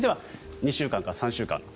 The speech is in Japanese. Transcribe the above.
２週間か３週間。